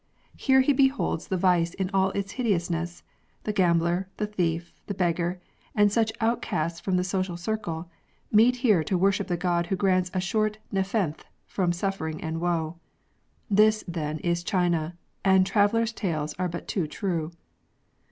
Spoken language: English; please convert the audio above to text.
Here he beholds the vice in all its hideousness ; the gambler, the thief, the beggar, and such outcasts from the social circle, meet here to worship the god who grants a short nepenthe from sufiering and woe. This, then, is China, and . travellers' tales are but too true.